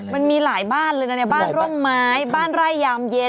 มันมีหลายบ้านเลยนะในบ้านร่มไม้บ้านไร่ยามเย็น